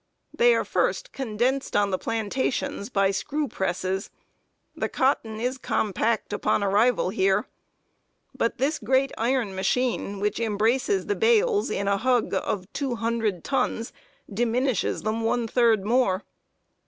They are first condensed on the plantations by screw presses; the cotton is compact upon arrival here; but this great iron machine, which embraces the bales in a hug of two hundred tons, diminishes them one third more.